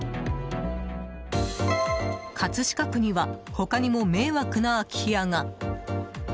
葛飾区には他にも、迷惑な空き家が。